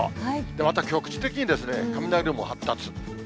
また局地的に雷雲発達。